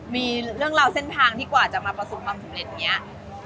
มีเรื่องราวเส้นทางที่กว่าจะมาประสบความสำเร็จอย่างนี้